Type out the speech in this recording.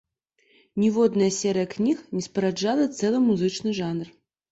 Ніводная серыя кніг не спараджала цэлы музычны жанр.